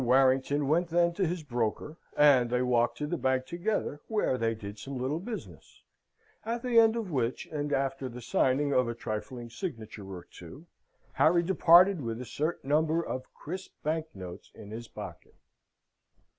Warrington went then to his broker, and they walked to the Bank together, where they did some little business, at the end of which, and after the signing of a trifling signature or two, Harry departed with a certain number of crisp bank notes in his pocket.